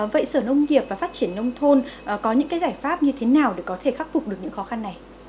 vậy sở nông nghiệp và phát triển nông thôn có những cái giải pháp như thế nào để có thể khắc phục được những khó khăn này